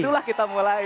di sinilah kita mulai